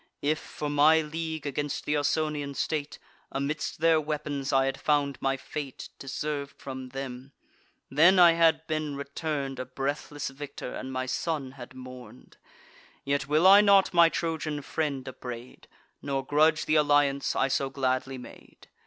If, for my league against th' Ausonian state, Amidst their weapons I had found my fate, (Deserv'd from them,) then I had been return'd A breathless victor, and my son had mourn'd. Yet will I not my Trojan friend upbraid, Nor grudge th' alliance I so gladly made.